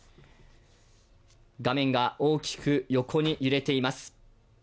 画面が大きく横に揺れています。